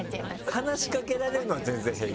話しかけられるのは全然平気？